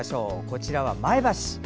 こちらは前橋。